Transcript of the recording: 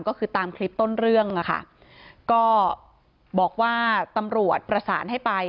ก็คือตามคลิปต้นเรื่องอ่ะค่ะก็บอกว่าตำรวจประสานให้ไป